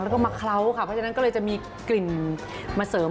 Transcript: แล้วก็มาเคล้าค่ะเพราะฉะนั้นก็เลยจะมีกลิ่นมาเสริม